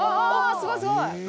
すごいすごい！